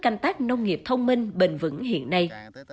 canh tác nông nghiệp thông minh bền vững hiện nay